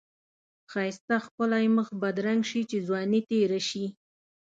ښایسته ښکلی مخ بدرنګ شی چی ځوانی تیره شی.